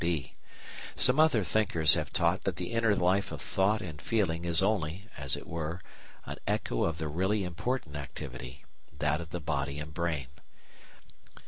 (b) Some other thinkers have taught that the inner life of thought and feeling is only, as it were, an echo of the really important activity that of the body and brain.